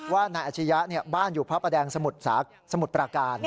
นายอาชียะบ้านอยู่พระประแดงสมุทรปราการ